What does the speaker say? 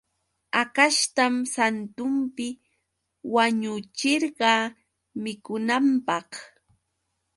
Hakashtam santunpi wañuchirqa mikunanpaq.